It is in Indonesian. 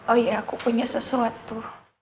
oh iya aku punya sesuatu